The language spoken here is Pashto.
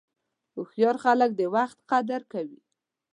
هوښیار خلک د وخت قدر کوي.